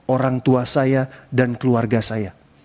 orang tua saya dan keluarga saya